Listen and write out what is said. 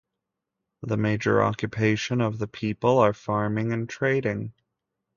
The major occupation of the people are farming and trading.